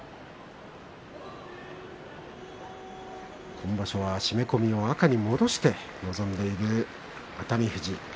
今場所は締め込みを赤に戻して臨んでいる熱海富士。